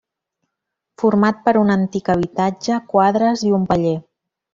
Format per un antic habitatge, quadres i un paller.